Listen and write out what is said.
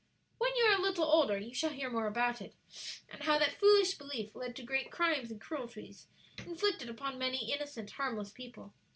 "When you are a little older you shall hear more about it, and how that foolish belief led to great crimes and cruelties inflicted upon many innocent, harmless people.